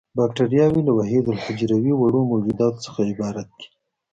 باکټریاوې له وحیدالحجروي وړو موجوداتو څخه عبارت دي.